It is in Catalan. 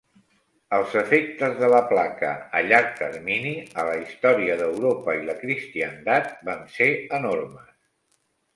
Els efectes de la placa a llarg termini a la història d"Europa i la cristiandat van ser enormes.